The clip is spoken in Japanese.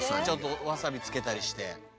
ちょっとわさびつけたりして。